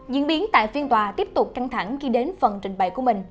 diễn biến tại phiên tòa tiếp tục căng thẳng khi đến phần trình bày của mình